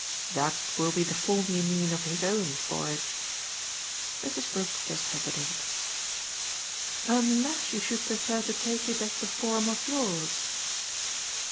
"That will be the form, you mean, of his own forage?" Mrs. Brook just hesitated. "Unless you should prefer to take it as the form of yours."